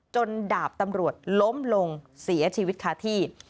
ดาบตำรวจล้มลงเสียชีวิตคาที่